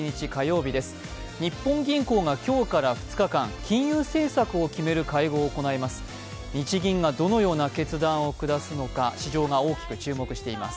日本銀行が今日から２日間、金融政策を決める会合を開きます。